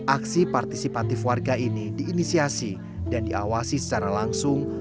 aksi partisipatif warga ini diinisiasi dan diawasi secara langsung